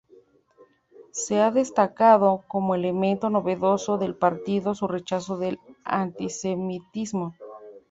Se ha destacado como elemento novedoso del partido su rechazo del antisemitismo.